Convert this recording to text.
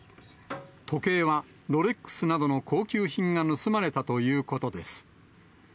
時計はロレックスなどの高級品が盗まれたということです。